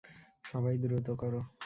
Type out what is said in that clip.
সবাই দ্রুত করো।